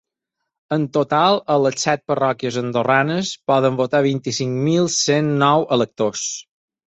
En total, a les set parròquies andorranes poden votar vint-i-cinc mil cent nou electors.